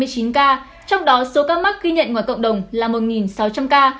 trong đó số ca mắc ghi nhận ngoài cộng đồng là một sáu trăm linh ca